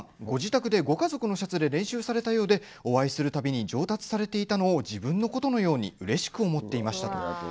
ご自宅でご家族のシャツで練習されたようでお会いするたびに上達されていたのを自分のことのようにうれしく思っていました。